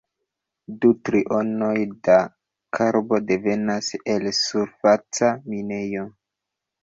Du trionoj de karbo devenas el surfaca minejo.